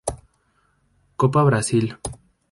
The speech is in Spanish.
Copa Brasil.